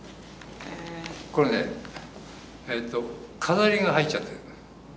これね飾りが入っちゃってる。